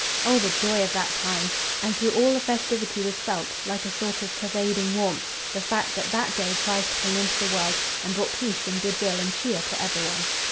Oh, the joy of that time! And through all the festivity was felt, like a sort of pervading warmth, the fact that that day Christ came into the world and brought peace and good will and cheer to every one.